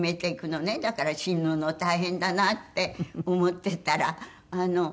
だから死ぬの大変だなって思ってたら。